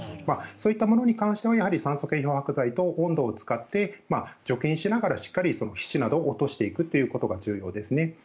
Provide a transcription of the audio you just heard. そういったものに関しては酸素系漂白剤と温度を使って除菌しながらしっかり皮脂などを落としていくということが重要ですね。